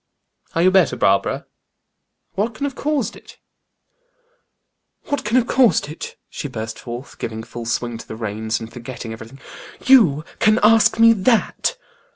"Are you better, Barbara? What can have caused it?" "What can have caused it?" she burst forth, giving full swing to the reins, and forgetting everything. "You can ask me that?"